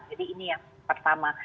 jadi ini yang pertama